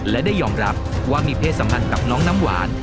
และได้ยอมรับว่ามีเพศสัมพันธ์กับน้องน้ำหวาน